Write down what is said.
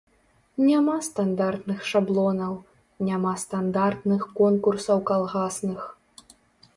Няма стандартных шаблонаў, няма стандартных конкурсаў калгасных.